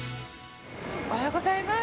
おはようございます。